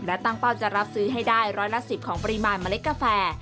และตั้งเป้าจะรับซื้อให้ได้ร้อยละ๑๐ของปริมาณเมล็ดกาแฟ